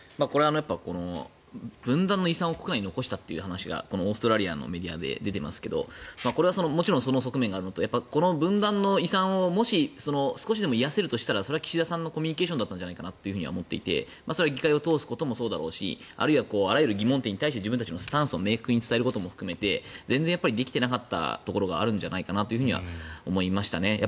分断の遺産を国内に残したという話がオーストラリアのメディアで出ていますけどこれはもちろんその側面があるのとやっぱりこの分断の遺産を少しでも癒やせるとしたらそれは岸田さんのコミュニケーションだったんじゃないかと思っていてそれは議会を通すこともそうだろうしあらゆる疑問点に自分たちのスタンスを明確に伝えることも含めて全然できていなかったところがあるんじゃないかとは思いましたね。